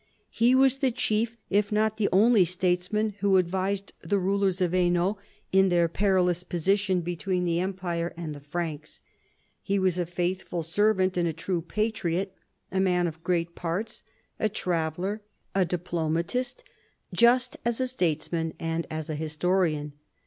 He was the chief if not the only statesman who advised the rulers of Hainault in their vii LAST YEARS 211 perilous position between the Empire and the Franks. He was a faithful servant and a true patriot, a man of great parts, a traveller, a diplomatist, just as a statesman and as a historian.